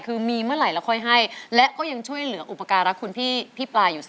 คือมีเมื่อไหร่แล้วค่อยให้และก็ยังช่วยเหลืออุปการรักคุณพี่ปลาอยู่เสมอ